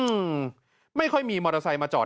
อืมไม่ค่อยมีมอเตอร์ไซค์มาจอด